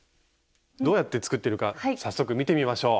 どうやって作っているか早速見てみましょう。